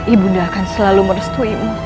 ibu bunda akan selalu merestuimu